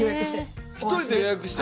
一人で予約して？